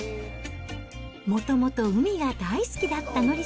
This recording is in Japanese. もともと海が大好きだった乃り